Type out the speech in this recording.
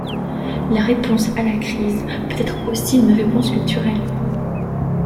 La réponse à la crise peut être aussi une réponse culturelle.